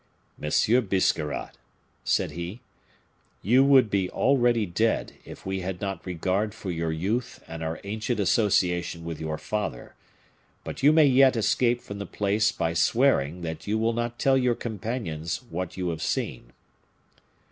"Monsieur Biscarrat," said he, "you would be already dead if we had not regard for your youth and our ancient association with your father; but you may yet escape from the place by swearing that you will not tell your companions what you have seen."